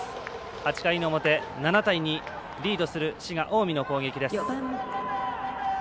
８回の表７対２、リードする滋賀、近江の攻撃です。